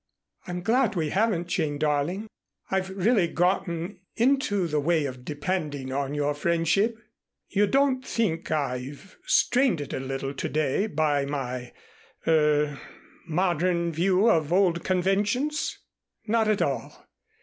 "I'm glad we haven't, Jane, darling. I've really gotten into the way of depending on your friendship. You don't think I've strained it a little to day by my er modern view of old conventions?" "Not at all.